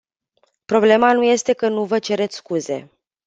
Problema nu este că nu vă cereți scuze.